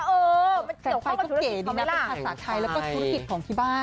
แต่ไฟก็เก๋ดีนะเป็นภาษาไทยแล้วก็ธุรกิจของที่บ้าน